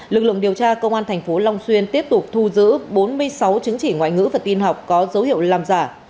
lực lượng điều tra công an tp long xuyên tiếp tục thu giữ bốn mươi sáu chứng chỉ ngoại ngữ và tin học có dấu hiệu làm giả